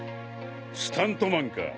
スタントマンか。